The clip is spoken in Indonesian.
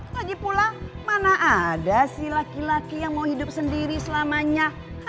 lagi pulang mana ada si laki laki yang mau hidup sendiri selamanya